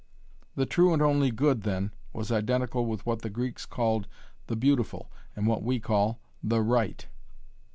The true and only good then was identical with what the Greeks called 'the beautiful' and what we call 'the right'.